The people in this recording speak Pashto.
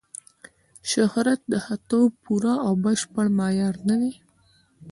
شهرت د ښه توب پوره او بشپړ معیار نه دی.